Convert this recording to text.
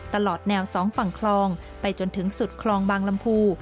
ตลอดแนวสองฝั่งคลองไปจนถึงสุดคลองบางลำพู